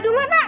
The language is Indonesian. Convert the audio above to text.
itu kan banyak